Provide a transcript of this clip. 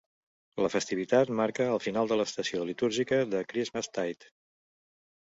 La festivitat marca el final de l'estació litúrgica de Christmastide.